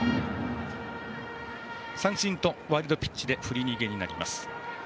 三振とワイルドピッチで振り逃げになります。